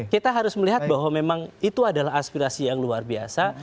kita harus melihat bahwa memang itu adalah aspirasi yang luar biasa